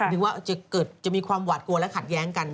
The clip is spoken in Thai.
ถึงว่าจะเกิดจะมีความหวาดกลัวและขัดแย้งกัน